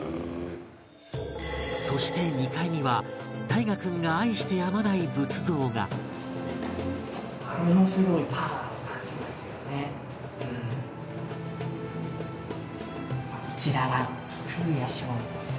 そして２階には汰佳君が愛してやまない仏像がこちらが。